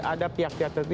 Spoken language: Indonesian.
ada pihak pihak tertentu